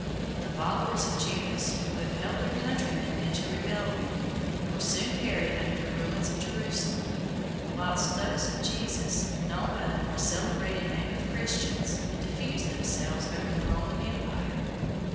The followers of Judas, who impelled their countrymen into rebellion, were soon buried under the ruins of Jerusalem; whilst those of Jesus, known by the more celebrated name of Christians, diffused themselves over the Roman empire.